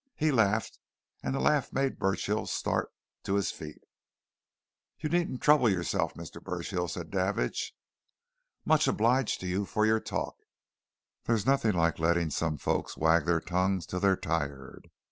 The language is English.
He laughed and the laugh made Burchill start to his feet. "You needn't trouble yourself, Mr. Burchill!" said Davidge. "Much obliged to you for your talk, there's nothing like letting some folks wag their tongues till they're tired.